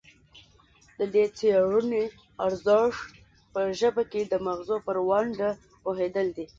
د دې څیړنې ارزښت په ژبه کې د مغزو پر ونډه پوهیدل دي